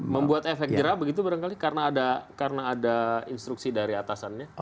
membuat efek jerah begitu barangkali karena ada instruksi dari atasannya